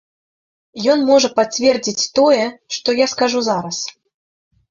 Ён можа пацвердзіць тое, што я скажу зараз.